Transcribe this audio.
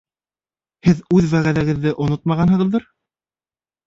Һеҙ үҙ вәғәҙәгеҙҙе онотмағанһығыҙҙыр.